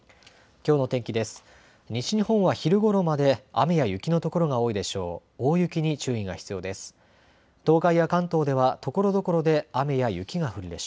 きょうの天気です。